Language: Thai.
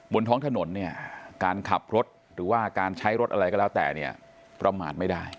บนท้องถนนเนี่ยการขับรถหรือว่าการใช้รถอะไรก็แล้วแต่เนี่ยประมาทไม่ได้